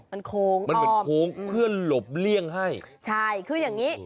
มันโค้งมันเหมือนโค้งเพื่อหลบเลี่ยงให้ใช่คืออย่างงี้